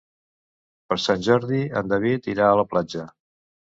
Per Sant Jordi en David irà a la platja.